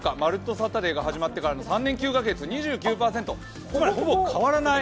サタデー」が始まってからの３年９か月２９％、ほぼ変わらない。